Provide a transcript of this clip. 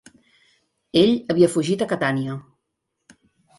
Ell havia fugit a Catània.